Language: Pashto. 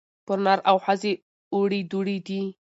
پر نر او ښځي اوري دُرې دي